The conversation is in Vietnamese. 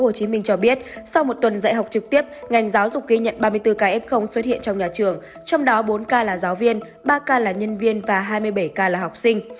duy trọng cho biết sau một tuần dạy học trực tiếp ngành giáo dục ghi nhận ba mươi bốn kf xuất hiện trong nhà trường trong đó bốn k là giáo viên ba k là nhân viên và hai mươi bảy k là học sinh